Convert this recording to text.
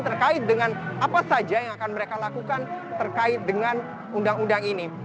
terkait dengan apa saja yang akan mereka lakukan terkait dengan undang undang ini